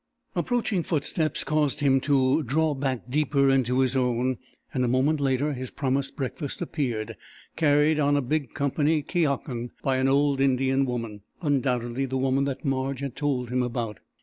Approaching footsteps caused him to draw back deeper into his own and a moment later his promised breakfast appeared, carried on a big Company keyakun, by an old Indian woman undoubtedly the woman that Marge had told him about.